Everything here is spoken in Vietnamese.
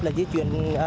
là di chuyển